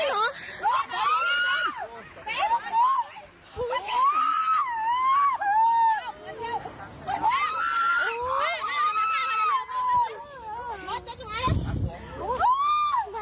ก็มันรู้สึกเกิดอะไร